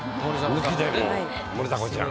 抜き出る森迫ちゃん。